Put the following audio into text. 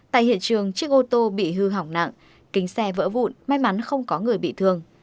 tại hiện trường chiếc ô tô bị hư hỏng nặng kính xe vỡ vụn may mắn không có người bị thương